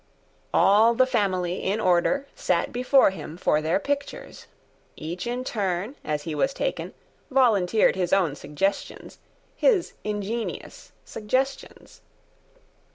All the family in order Sat before him for their pictures: Each in turn, as he was taken, Volunteered his own suggestions, His ingenious suggestions.